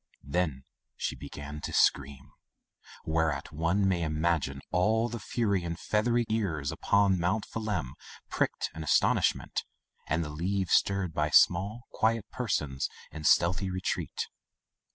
Then she began to scream, whereat one may imagine all the furry and feathery ears upon Mount Phelim pricked in astonishment, and the leaves stirred by small, quiet persons in stealthy retreat.